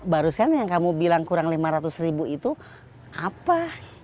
barusan yang kamu bilang kurang lima ratus ribu itu apa